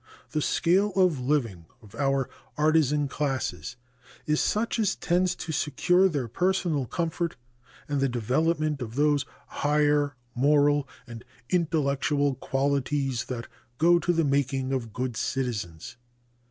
The scale of living of our artisan classes is such as tends to secure their personal comfort and the development of those higher moral and intellectual qualities that go to the making of good citizens.